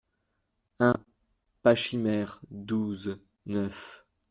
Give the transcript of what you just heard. un ; Pachymère, douze, neuf.